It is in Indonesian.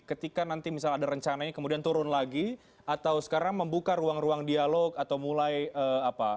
ketika nanti misalnya ada rencananya kemudian turun lagi atau sekarang membuka ruang ruang dialog atau mulai apa